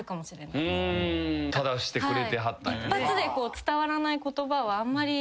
正してくれてはったんや。